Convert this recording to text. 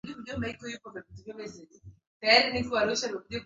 walizuiliana Lakini nguvu yake iliendelea kufifia Kwenye mwisho